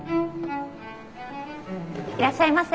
いらっしゃいませ。